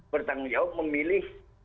bertanggung jawab memilih